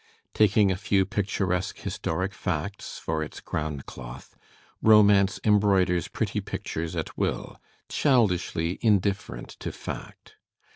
Taking a few picturesque historic facts for its ground cloth, romance embroiders pretty pictures at will, childishly indifferent to fact.